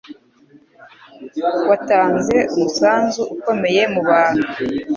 Watanze umusanzu ukomeye mubantu